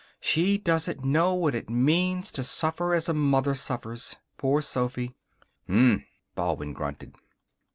She doesn't know what it means to suffer as a mother suffers poor Sophy." "Um," Baldwin grunted.